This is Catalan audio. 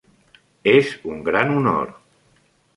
És un gran honor.